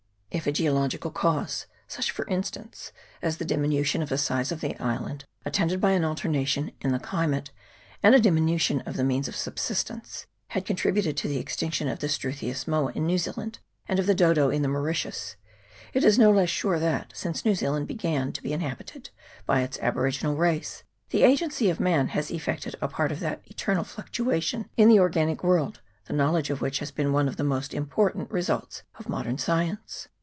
If a geological cause, such for instance as a diminu tion of the size of the island, attended by an altera tion in the climate and a diminution of the means of subsistence, has contributed to the extinction of the struthious moa in New Zealand, and of the dodo in the Mauritius, it is no less sure that, since New Zealand began to be inhabited by its aboriginal race, the agency of man has effected a part of that eternal fluctuation in the organic world, the know ledge of which has been one of the most important results of modern science.